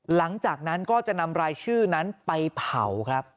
หลังจากนั้นก็จะนำรายชื่อนั้นไปเผาครับ